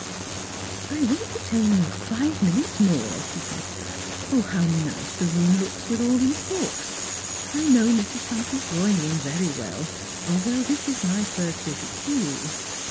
" I won't detain you five minutes more," she said. " How nice the room looks with all those books! I know Mrs. Humphreys' drawing room very well, though this is my first visit to you.